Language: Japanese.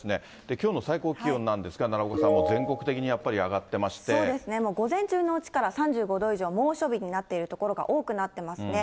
きょうの最高気温なんですが、奈良岡さん、全国的にやっぱり上がそうですね、午前中のうちから３５度以上、猛暑日になっている所が多くなってますね。